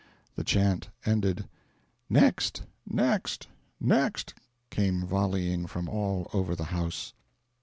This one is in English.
The chant ended. "Next! next! next!" came volleying from all over the house.